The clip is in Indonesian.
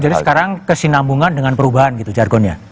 sekarang kesinambungan dengan perubahan gitu jargonnya